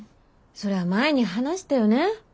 それは前に話したよね。